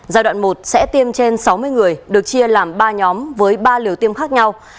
giai đoạn một sẽ tiêm trên sáu mươi người được chia làm ba nhóm với ba liều tiêm khác nhau